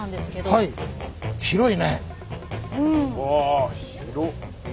はい。